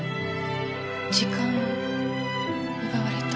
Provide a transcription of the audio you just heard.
時間を奪われた？